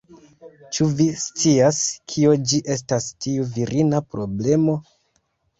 Ĉu vi scias, kio ĝi estas, tiu virina problemo?